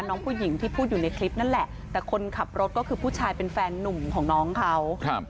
น้องผู้หญิงที่พูดอยู่ในคลิปนั่นแหละแต่คนขับรถก็คือผู้ชายเป็นแฟนนุ่มของน้องเขาครับ